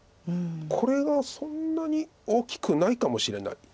これがそんなに大きくないかもしれない。